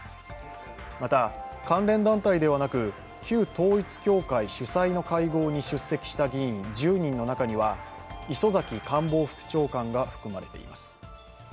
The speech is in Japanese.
また、関連団体ではなく旧統一教会主催の会合に出席した議員１０人の中には磯崎官房副長官が含まれています。